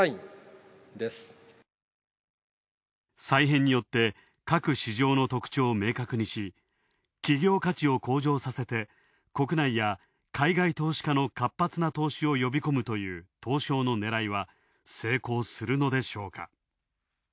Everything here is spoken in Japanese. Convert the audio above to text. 再編によって、各市場の特徴を明確にし、企業価値を向上させて国内の海外投資家の活発な投資を呼び込むという東証の狙いは成功するのでしょうか。